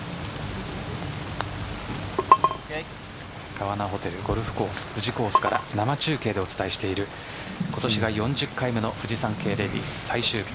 川奈ホテルゴルフコース富士コースから生中継でお伝えしている今年が４０回目のフジサンケイレディス最終組。